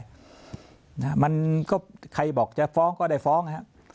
มันก็ใครบอกจะฟ้องก็ได้ฟ้องฮะ